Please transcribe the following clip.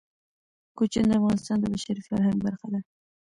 کوچیان د افغانستان د بشري فرهنګ برخه ده.